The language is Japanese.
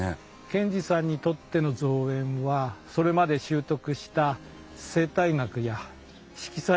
賢治さんにとっての造園はそれまで修得した生態学や色彩